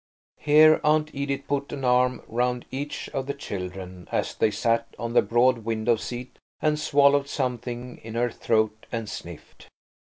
Here Aunt Edith put an arm round each of the children as they sat on the broad window seat, and swallowed something in her throat and sniffed.